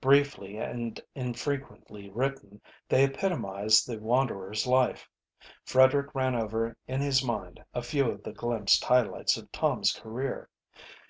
Briefly and infrequently written, they epitomised the wanderer's life. Frederick ran over in his mind a few of the glimpsed highlights of Tom's career.